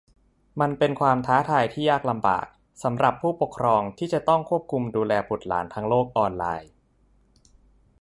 มันเป็นความท้าทายที่ยากลำบากสำหรับผู้ปกครองที่จะต้องควบคุมดูแลบุตรหลานทางโลกออนไลน์